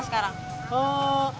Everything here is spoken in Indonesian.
sekarang dinmu sama siapa sekarang